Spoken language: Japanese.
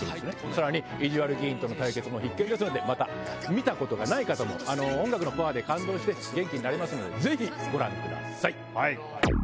さらに意地悪議員との対決も必見ですのでまた見たことがない方も音楽のパワーで感動して元気になれますのでぜひご覧ください。